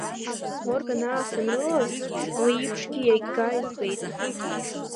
Органаа санрылаз уи еиԥшгьы иага збеит!